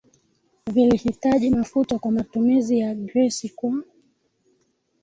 vilihitaji mafuta kwa matumizi ya grisi kwa